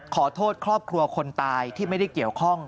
ขอโทษครอบครัวคนตายที่ไม่ได้เกี่ยวข้อง